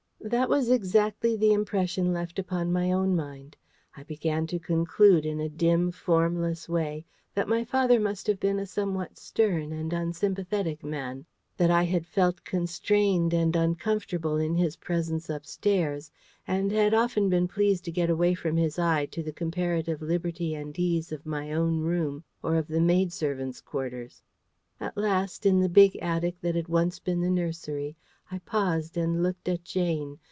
That was exactly the impression left upon my own mind. I began to conclude, in a dim, formless way, that my father must have been a somewhat stern and unsympathetic man; that I had felt constrained and uncomfortable in his presence upstairs, and had often been pleased to get away from his eye to the comparative liberty and ease of my own room or of the maid servants' quarters. At last, in the big attic that had once been the nursery, I paused and looked at Jane.